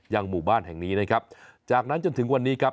ยั่งหมู่บ้านแห่งนี้จากนั้นจนถึงวันนี้